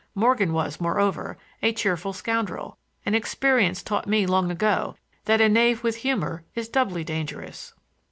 Morgan was, moreover, a cheerful scoundrel, and experience taught me long ago that a knave with humor is doubly dangerous.